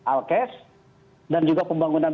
alkes dan juga pembangunan